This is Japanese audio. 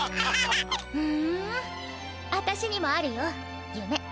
ふんあたしにもあるよゆめ。